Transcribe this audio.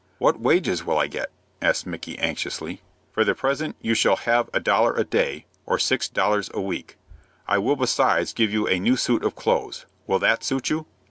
"What wages will I get?" asked Micky, anxiously. "For the present you shall have a dollar a day, or six dollars a week. I will besides give you a new suit of clothes. Will that suit you?"